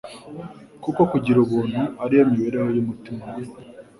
Kuko kugira ubuntu ari yo mibereho y'umutima we.